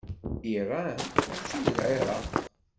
Iṛan mačči d Lɛiraq.